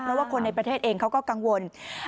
เพราะว่าคนในประเทศเองเขาก็กังวล